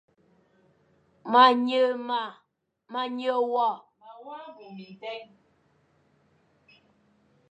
Ma nyeghe wa.